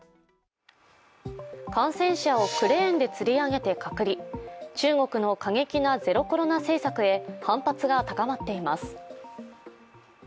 感染者をクレーンでつり上げて隔離、中国の過激なゼロコロナ政策へ反発が高まっています。